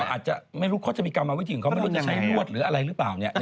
อาจจะไม่รู้เขาจะมีกรรมวิธีของเขาไม่รู้จะใช้ลวดหรืออะไรหรือเปล่าเนี่ย